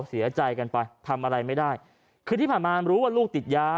เสียใจกันไปทำอะไรไม่ได้คือที่ผ่านมารู้ว่าลูกติดยา